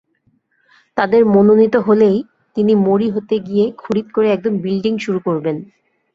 তাদের মনোনীত হলেই তিনি মরী হতে গিয়ে খরিদ করে একদম বিল্ডিং শুরু করবেন।